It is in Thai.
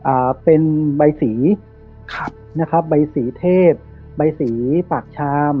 อ่าเป็นใบสีครับนะครับใบสีเทพใบสีปากชาม